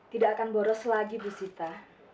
tidak akan boros lagi bu sita